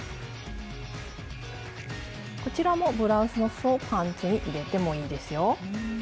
こちらもブラウスのすそをパンツに入れてもいいですよ。